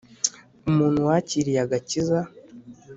Umuntu wakiriye agacyiza.